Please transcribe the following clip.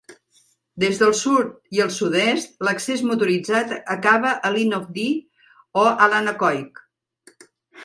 Des del sud i el sud-est, l'accés motoritzat acaba a "Linn of Dee", o Allanaquoich.